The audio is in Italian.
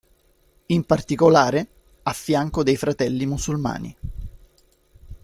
In particolare, a fianco dei fratelli musulmani.